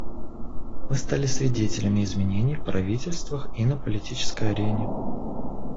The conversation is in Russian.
Мы стали свидетелями изменений в правительствах и на политической арене.